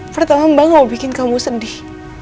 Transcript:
pertama mbak mau bikin kamu sedih